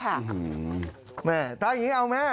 ถ้าอย่างนี้เอาไหม